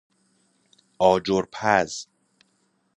آجر پز